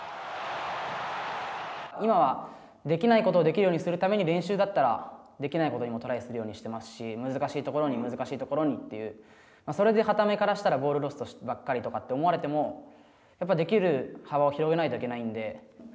今はできないことをできるようにするために練習だったらできないことにもトライするようにしていますし、難しいところに難しいところにという、それではた目からしたらボールロストばっかりって思われても、できる幅を広げないといけないんで。